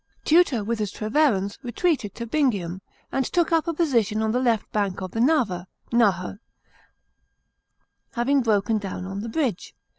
Tutor with his Treverans retreated to Bhmium, and took up a position on the left bank of the Nava (Nahe), having broken down the bridge.